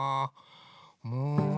うん。